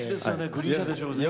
グリーン車でしょうにね。